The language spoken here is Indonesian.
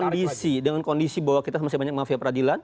kondisi dengan kondisi bahwa kita masih banyak mafia peradilan